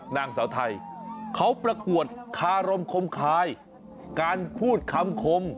นางสาวไทยเขาประกวดคารมคมคายการพูดคำคม